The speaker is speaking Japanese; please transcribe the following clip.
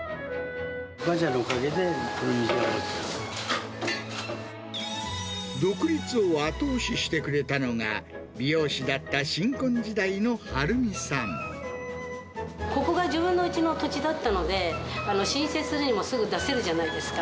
お母ちゃんのおかげで、独立を後押ししてくれたのが、ここが自分のうちの土地だったので、申請するにもすぐ出せるじゃないですか。